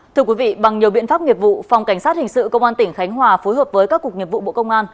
thưa quý vị bằng nhiều biện pháp nghiệp vụ phòng cảnh sát hình sự công an tỉnh khánh hòa phối hợp với các cục nghiệp vụ bộ công an